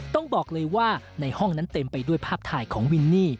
ต้องบอกเลยว่าในห้องนั้นเต็มไปด้วยภาพถ่ายของวินนี่